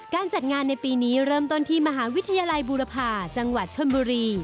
จัดงานในปีนี้เริ่มต้นที่มหาวิทยาลัยบูรพาจังหวัดชนบุรี